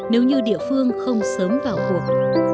nếu như địa phương không sớm vào cuộc